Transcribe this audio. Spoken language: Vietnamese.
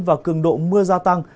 và cường độ mưa gia tăng